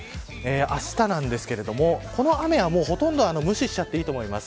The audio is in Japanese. あしたですがこの雨はほとんど無視しちゃっていいと思います。